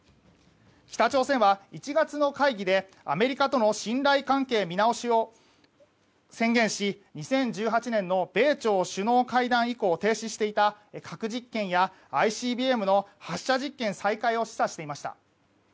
北朝鮮は１月の会議でアメリカとの信頼関係見直しを宣言し２０１８年の米朝首脳会談以降停止していた核実験やＩＣＢＭの発射実験再開を示唆していました。